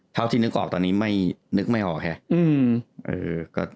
เท่าที่นึกออกตอนนี้นึกไม่ออกแหละ